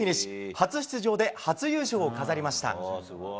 初出場で初優勝を飾りました。